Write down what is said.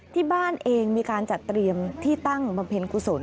ที่บ้านเองมีการจัดเตรียมที่ตั้งบำเพ็ญกุศล